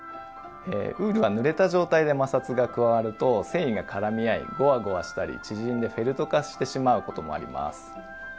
ウールはぬれた状態で摩擦が加わると繊維が絡み合いごわごわしたり縮んでフェルト化してしまうこともあります。